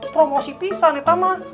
promosi bisa nek